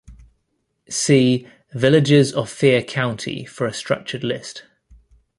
See Villages of Fier County for a structured list.